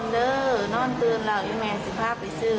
อีหล่านอนพักกันเด้อนอนเตือนแล้วไอแม่สิบห้าไปซื้อ